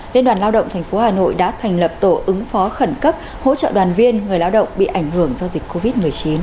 liên đoàn lao động tp hà nội đã thành lập tổ ứng phó khẩn cấp hỗ trợ đoàn viên người lao động bị ảnh hưởng do dịch covid một mươi chín